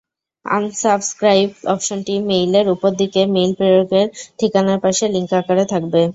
Unsubscribe অপশনটি মেইলের ওপরদিকে mail প্রেরকের ঠিকানার পাশে লিংক আকারে থাকবে।